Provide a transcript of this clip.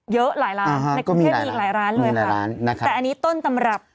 เยอะหลายร้านในกรุงเทพมีอีกหลายร้านเลยค่ะแต่อันนี้ต้นตำรับ